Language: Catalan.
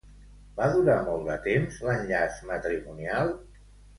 Va durar molt de temps l'enllaç matrimonial?